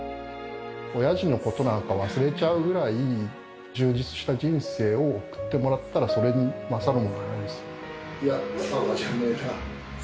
おやじのことなんか忘れちゃうぐらい、充実した人生を送ってもらったら、それに勝るものはないです。